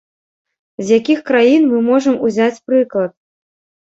З якіх краін мы можам узяць прыклад?